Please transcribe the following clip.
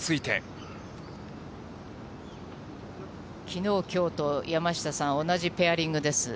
きのう、きょうと山下さん、同じペアリングです。